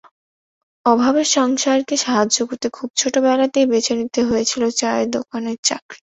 অভাবের সংসারকে সাহায্য করতে খুব ছোটবেলাতেই বেছে নিতে হয়েছিল চায়ের দোকানের চাকরি।